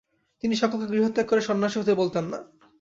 তিনি সকলকে গৃহত্যাগ করে সন্ন্যাসী হতে বলতেন না।